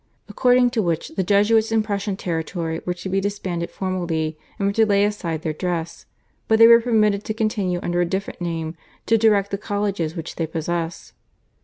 according to which the Jesuits in Prussian territory were to be disbanded formally and were to lay aside their dress, but they were permitted to continue under a different name to direct the colleges which they possessed.